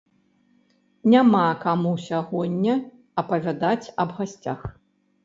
Няма каму сягоння апавядаць аб гасцях.